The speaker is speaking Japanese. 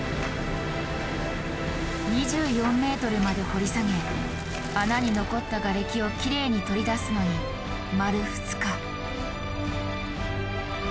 ２４ｍまで掘り下げ穴に残ったガレキをきれいに取り出すのに丸２日。